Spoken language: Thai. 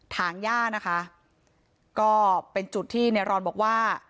ถางย่านะคะก็เป็นจุดที่ในรอนบอกว่า